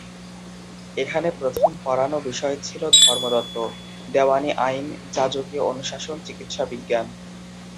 এখানে প্রথম পড়ানো বিষয় ছিল ধর্মতত্ত্ব, দেওয়ানি আইন, যাজকীয় অনুশাসন, চিকিৎসা বিজ্ঞান।